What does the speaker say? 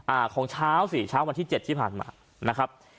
อ่าของเช้าสี่เช้าวันที่เจ็ดที่ผ่านมานะครับ